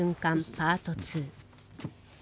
パート２。